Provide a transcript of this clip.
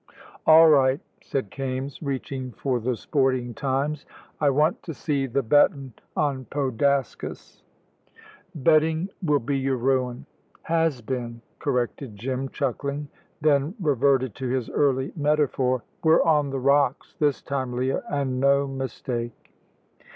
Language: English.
"All right," said Kaimes, reaching for the Sporting Times. "I want to see the bettin' on Podaskas." "Betting will be your ruin." "Has been," corrected Jim, chuckling; then reverted to his early metaphor: "We're on the rocks this time, Leah, and no mistake."